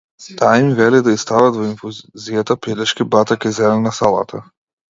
Таа им вели да ѝ стават во инфузијата пилешки батак и зелена салата.